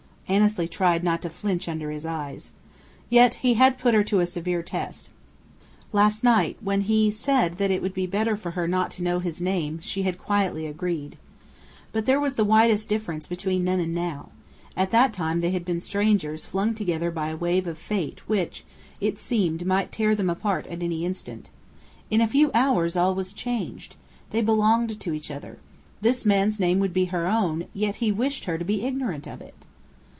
Annesley tried not to flinch under his eyes. Yet he had put her to a severe test. Last night, when he said that it would be better for her not to know his name, she had quietly agreed. But there was the widest difference between then and now. At that time they had been strangers flung together by a wave of fate which, it seemed, might tear them apart at any instant. In a few hours all was changed. They belonged to each other. This man's name would be her name, yet he wished her to be ignorant of it!